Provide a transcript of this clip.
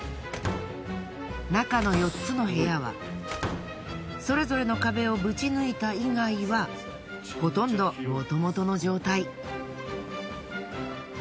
中の４つの部屋はそれぞれの壁をぶち抜いた以外はほとんどもともとの状態。